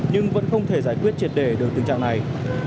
nhưng vẫn không thể giải quyết triệt đề được tình trạng này